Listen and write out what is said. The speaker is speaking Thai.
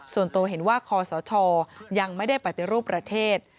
ส่วนตัวเห็นว่าคอสชยังไม่ได้ปฏิรูปประเทศ